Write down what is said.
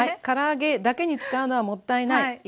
から揚げだけに使うのはもったいない。